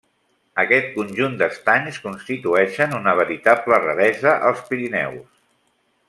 Aquest conjunt d’estanys constitueixen una veritable raresa als Pirineus.